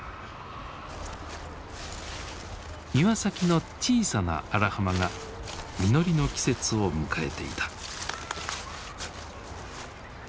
庭先の小さな荒浜が実りの季節を迎えていた。